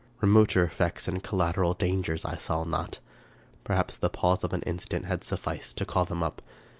Remoter effects and collateral dangers I saw not. Perhaps the pause of an instant had sufficed to call them up.